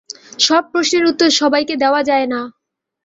সব প্রশ্নের উত্তর সবাইকে দেয়া যায় না।